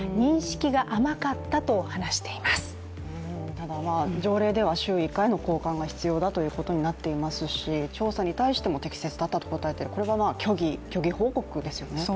ただ、条例では週１回の交換が必要だということになっていますし、調査に対しても適切だったと答えている、これは虚偽報告ですよね。